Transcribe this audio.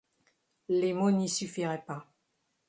Les mots n’y suffiraient pas.